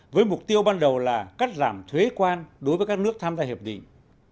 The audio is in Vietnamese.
với mục tiêu ban đầu là cắt giảm thuế quan đối với các nước tham gia hiệp định